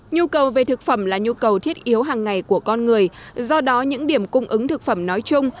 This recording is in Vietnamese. nhu cầu về thực phẩm là nhu cầu thiết yếu hàng ngày của con người do đó những điểm cung ứng thực phẩm nói chung